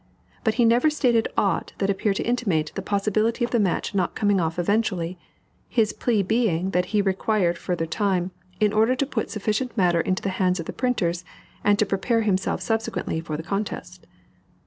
But he never stated aught that appeared to intimate the possibility of the match not coming off eventually, his plea being that he required further time, in order to put sufficient matter into the hands of the printers, and to prepare himself subsequently for the contest.